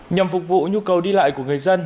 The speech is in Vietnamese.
nhằm phục vụ nhu cầu đi lại của người dân